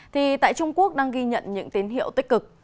thì tại trung quốc đang ghi nhận những tín hiệu tích cực